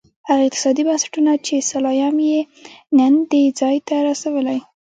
هغه اقتصادي بنسټونه چې سلایم یې نن دې ځای ته رسولی.